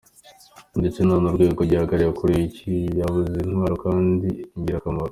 Ndetse nta n’urugero ku gihugu yakoreye kikaba cyarabuze intwari kandi ingirakamaro.